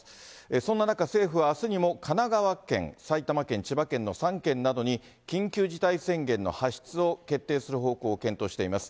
そんな中、政府はあすにも神奈川県、埼玉県、千葉県の３県などに緊急事態宣言の発出を決定する方向を検討しています。